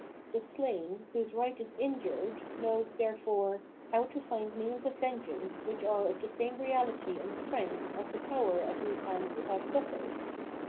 The slain, whose right is injured, knows, therefore, how to find means of vengeance which are of the same reahty and strength as the power at whose hands it has suffered.